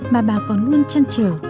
mà bà còn luôn chân trở